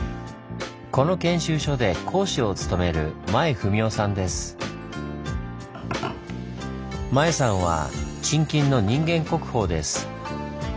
この研修所で講師を務める前さんは沈金の人間国宝です。